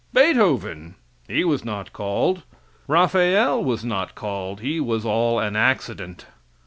Beethoven! He was not called. Raphael was not called. He was all an accident.